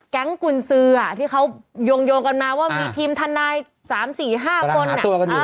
กุญสือที่เขาโยงกันมาว่ามีทีมทนาย๓๔๕คน